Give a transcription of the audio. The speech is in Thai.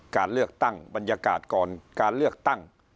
การเลือกตั้งบรรยากาศก่อนการเลือกตั้ง